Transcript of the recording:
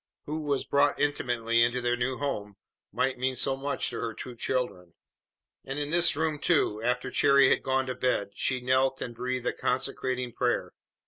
Who was brought intimately into their new home might mean so much to her two children. And in this room, too, after Cherry had gone to bed, she knelt and breathed a consecrating prayer.